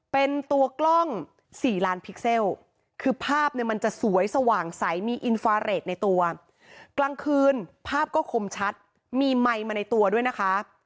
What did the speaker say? เป็นตัวกล้อง๔ล้านพิกเซลคือภาพเนี่ยมันจะสวยสว่างใสมีอินฟาเรทในตัวกลางคืนภาพก็คมชัดมีไมค์มาในตัวด้วยนะคะ